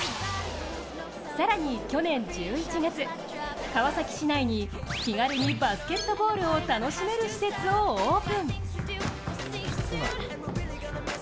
更に去年１１月、川崎市内に気軽にバスケットボールを楽しめる施設をオープン。